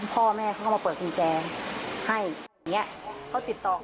พ่อแม่เขาก็มาเปิดกุญแจให้